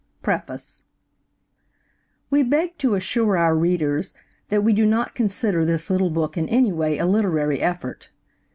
PREFACE We beg to assure our readers that we do not consider this little book in any way a literary effort.